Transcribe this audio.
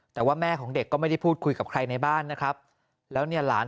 แต่ว่าแม่ของเด็กก็ไม่ได้พูดคุยกับใครในบ้านนะครับแล้วเนี่ยหลาน